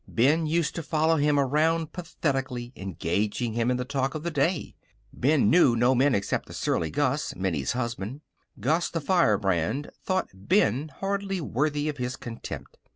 Ben used to follow him around pathetically, engaging him in the talk of the day. Ben knew no men except the surly Gus, Minnie's husband. Gus, the firebrand, thought Ben hardly worthy of his contempt.